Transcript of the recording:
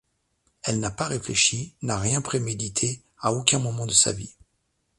Elle n’a pas réfléchi, n’a rien prémédité, à aucun moment de sa vie.